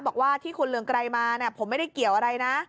บอกว่าที่คุณเรืองไกรมาผมไม่ได้เกี่ยวอะไรนะ